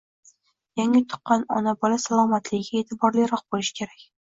Yangi tuqqan ona-bola salomatligiga e’tiborliroq bo‘lish kerak.